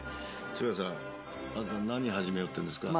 杉浦さんあんた何始めようってんですか？